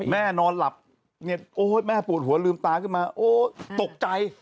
นอนหลับเนี่ยโอ้ยแม่ปวดหัวลืมตาขึ้นมาโอ้ตกใจ